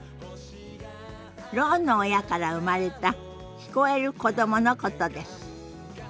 ろうの親から生まれた聞こえる子どものことです。